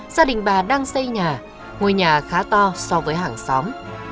gia đình bà đang xây nhà ngôi nhà khá to so với hàng xóm